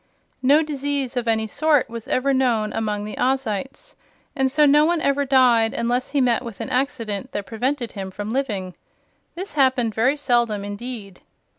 No disease of any sort was ever known among the Ozites, and so no one ever died unless he met with an accident that prevented him from living. This happened very seldom, indeed.